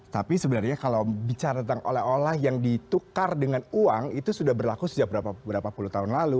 tapi sebenarnya kalau bicara tentang oleh oleh yang ditukar dengan uang itu sudah berlaku sejak beberapa puluh tahun lalu